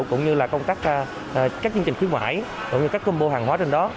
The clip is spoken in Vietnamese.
cũng như là công tác các chương trình khuyến mại cũng như các combo hàng hóa trên đó